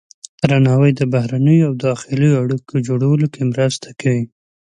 درناوی د بهرنیو او داخلي اړیکو جوړولو کې مرسته کوي.